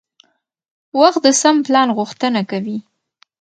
وخت د سم پلان غوښتنه کوي